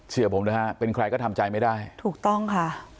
ผมนะฮะเป็นใครก็ทำใจไม่ได้ถูกต้องค่ะ